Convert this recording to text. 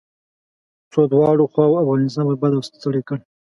څو دواړو خواوو افغانستان برباد او ستړی کړ.